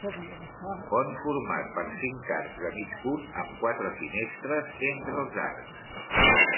Pont format per cinc arcs de mig punt amb quatre finestres entre els arcs.